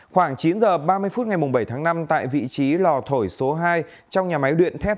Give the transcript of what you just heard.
khoảng chín h ba mươi phút ngày bảy tháng năm tại vị trí lò thổi số hai trong nhà máy luyện thép